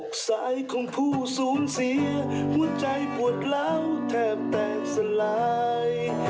สายของผู้สูญเสียหัวใจปวดเหล้าแทบแตกสลาย